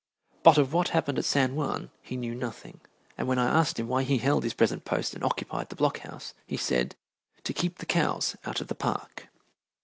But of what happened at San Juan he knew nothing, and when I asked him why he held his present post and occupied the Block House, he said, "To keep the cows out of the park."